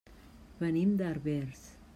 Venim de Herbers.